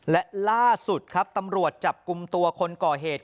และล่าสุดครับตำรวจจับกลุ่มตัวคนก่อเหตุ